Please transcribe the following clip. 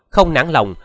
không nản lòng